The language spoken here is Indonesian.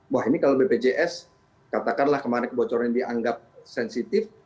wah ini kalau bpjs katakanlah kemarin kebocoran yang dianggap sensitif